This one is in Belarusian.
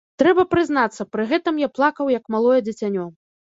Трэба прызнацца, пры гэтым я плакаў, як малое дзіцянё.